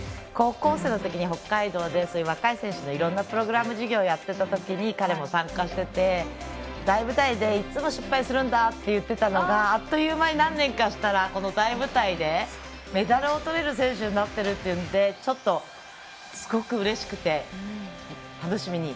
高校生のときに北海道で若い選手のいろんなプログラム事業をやったとき彼も参加していて大舞台でいつも失敗するんだと言っていたのがあっという間に何年かしたらこの大舞台でメダルをとれる選手になっているというのですごくうれしくて。